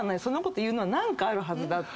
そんなこと言うのは何かあると。